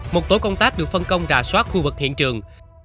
một tổ công tác được phân công trà xoát khu vực hiện trường